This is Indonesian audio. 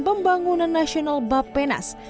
pembangunan nasional bappenas